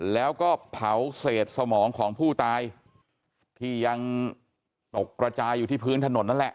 แล้วก็เผาเศษสมองของผู้ตายที่ยังตกกระจายอยู่ที่พื้นถนนนั่นแหละ